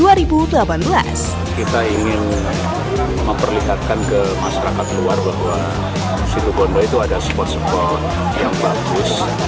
kita ingin memperlihatkan ke masyarakat luar bahwa situbondo itu ada spot spot yang bagus